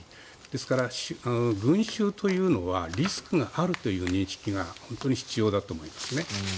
ですから、群衆というのはリスクがあるという認識が本当に必要だと思いますね。